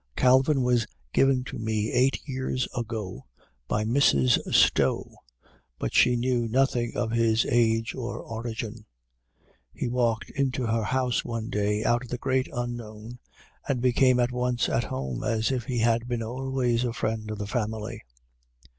Calvin was given to me eight years ago by Mrs. Stowe, but she knew nothing of his age or origin. He walked into her house one day out of the great unknown and became at once at home, as if he had been always a friend of the family.